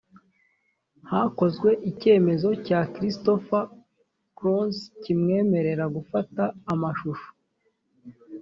hakozwe icyemezo cya christopher klotz kimwemerera gufata amashusho